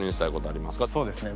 そうですね